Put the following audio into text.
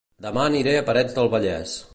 Dema aniré a Parets del Vallès